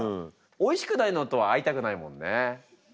おいしくないのとは会いたくないもんねうん。